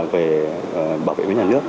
về bảo vệ với nhà nước